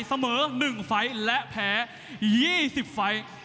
เสมอ๑ไฟล์และแพ้๒๐ไฟล์